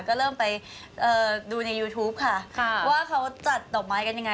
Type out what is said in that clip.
ก็เริ่มไปดูในยูทูปค่ะว่าเขาจัดดอกไม้กันยังไง